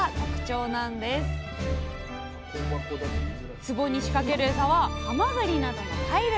つぼに仕掛けるエサはハマグリなどの貝類。